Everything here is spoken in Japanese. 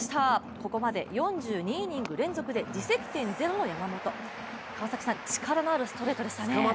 ここまで４２イニング連続で自責点０の山本力強いストレートでしたね。